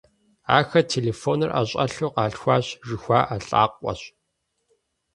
Ахэр «телефоныр ӀэщӀэлъу къалъхуащ» жыхуаӀэ лӀакъуэщ.